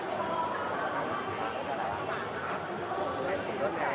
สวัสดีครับ